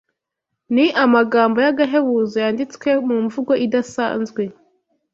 Ni amagambo y’agahebuzo yanditswe mu mvugo idasanzwe